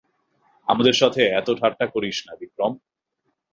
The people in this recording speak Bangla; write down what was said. আমার সাথে এতো ঠাট্টা করিস না, বিক্রম!